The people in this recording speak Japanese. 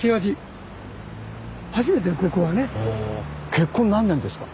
結婚何年ですか？